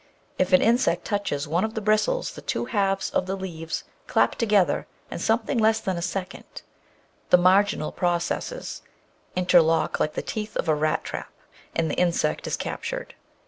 If an insect touches one of the bristles the two halves of the leaves clap together in something less than a second, the marginal processes interlock like the teeth of a rat trap, and the insect is captured.